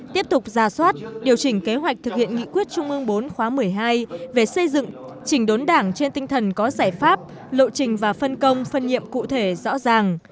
tiếp tục ra soát điều chỉnh kế hoạch thực hiện nghị quyết trung ương bốn khóa một mươi hai về xây dựng chỉnh đốn đảng trên tinh thần có giải pháp lộ trình và phân công phân nhiệm cụ thể rõ ràng